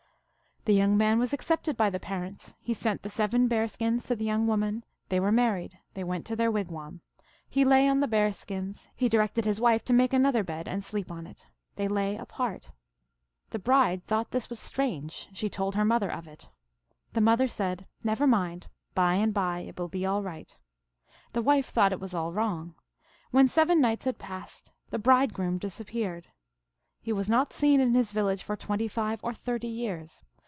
" The young man was accepted by the parents ; he sent the seven bear skins to the young woman ; they were married ; they went to their wigwam. He lay on the bear skins ; he directed his wife to make an other bed and sleep on it. They lay apart. The bride thought this was strange ; she told her mother of it. The mother said, 4 Never mind. By and by it will be all right. The wife thought it was all wrong. When seven nights had passed the bride groom disappeared. He was not seen in his village for twenty five or thirty years.